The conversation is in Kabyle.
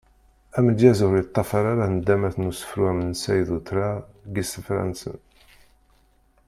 Amedyaz ur yeṭṭafar ara nḍamat n usefru amensay d utrar deg isefra-nsen.